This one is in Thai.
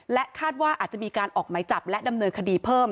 คาดว่าอาจจะมีการออกไหมจับและดำเนินคดีเพิ่ม